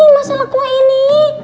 masalah kue ini